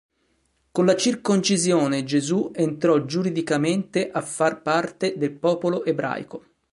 Con la circoncisione Gesù entrò giuridicamente a far parte del popolo ebraico.